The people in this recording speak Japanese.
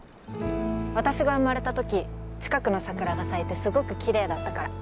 私が生まれた時近くの桜が咲いてすごくきれいだったから。